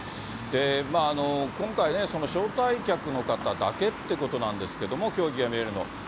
今回、招待客の方だけってことなんですけども、競技が見れるの。